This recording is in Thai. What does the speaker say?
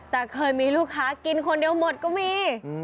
แต่เคยมีลูกค้ากินคนเดียวหมดก็มี